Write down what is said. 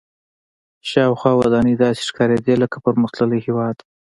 شاوخوا ودانۍ داسې ښکارېدې لکه پرمختللي هېواد.